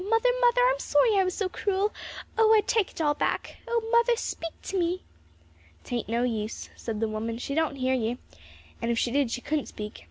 Mother, mother! I'm sorry I was so cruel! Oh, I take it all back. Oh, mother, speak to me!" "'Tain't no use," said the woman, "she don't hear ye. An' if she did she couldn't speak.